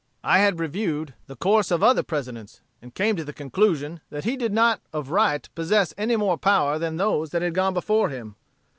I had reviewed the course of other Presidents, and came to the conclusion that he did not of right possess any more power than those that had gone before him.